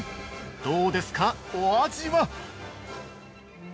どうですか、お味は？